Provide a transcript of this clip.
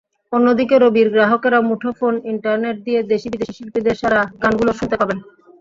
অন্যদিকে রবির গ্রাহকেরা মুঠোফোন ইন্টারনেট দিয়ে দেশি-বিদেশি শিল্পীদের সেরা গানগুলো শুনতে পাবেন।